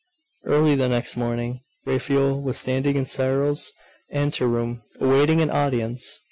............... Early the next morning, Raphael was standing in Cyril's anteroom, awaiting an audience.